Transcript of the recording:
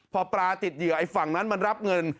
พอปลาติดเหยื่อไอ้ฝั่งนั้นมันรับเงิน